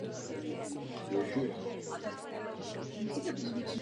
Zdrojem elektrické energie budou baterie v přední části a ještě záložní baterie na zádi.